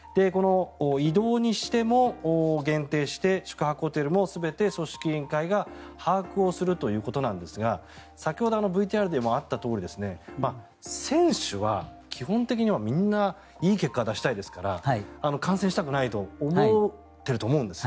移動にしても限定して宿泊ホテルも全て組織委員会が把握するということですが先ほどＶＴＲでもあったとおり選手は基本的にはみんないい結果を出したいですから感染したくないと思っていると思うんです。